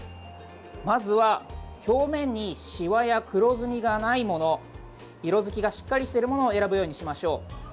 まずは表面にしわや黒ずみがないもの色づきがしっかりしているものを選ぶようにしましょう。